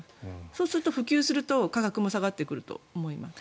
そうすると普及すると価格も下がってくると思います。